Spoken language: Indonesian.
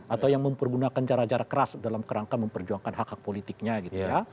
atau yang mempergunakan cara cara keras dalam kerangka memperjuangkan hak hak politiknya gitu ya